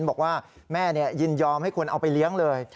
บอกว่าแม่ยินยอมให้คนเอาไปเลี้ยงเลย